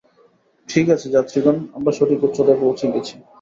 ঠিক আছে, যাত্রীগণ, আমরা সঠিক উচ্চতায় পোঁছে গেছি।